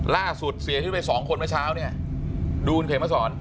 ล่าสุดเสียชีวิตไปสองคนเมื่อเช้าเนี่ยดูคุณเขมมาสอน